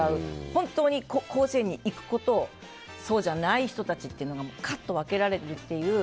本当に甲子園に行く子とそうじゃない人たちってのが分けられるという。